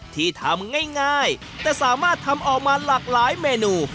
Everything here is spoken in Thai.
ที่ทำง่ายแต่สามารถทำออกมาหลากหลายเมนู